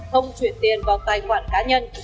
không chuyển tiền vào tài khoản cá nhân